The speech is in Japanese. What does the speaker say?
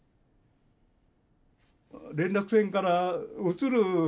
連絡船から移る時にね